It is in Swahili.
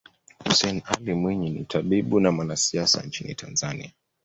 Hussein Ally Mwinyi ni tabibu na mwanasiasa nchini Tanzania